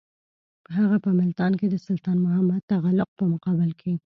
هغه په ملتان کې د سلطان محمد تغلق په مقابل کې.